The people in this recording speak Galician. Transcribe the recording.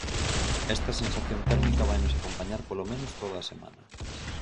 Esta sensación térmica vainos acompañar polo menos toda a semana.